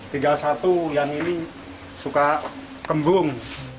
tinggal satu yang ini suka kembung